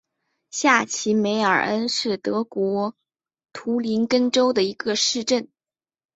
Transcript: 下齐梅尔恩是德国图林根州的一个市镇。